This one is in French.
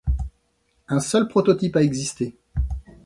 Un seul prototype a existé.